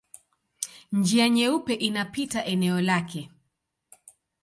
Njia Nyeupe inapita eneo lake.